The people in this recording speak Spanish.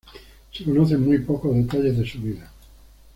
Se conocen muy pocos detalles de su vida.